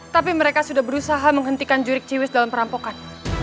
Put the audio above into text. tapi mereka sudah berusaha menghentikan jurik ciwis dalam perampokan